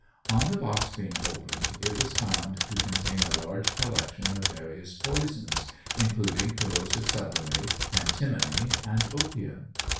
On the box being opened, it was found to contain a large collection of various poisons, including corrosive sublimate, antimony, and opium.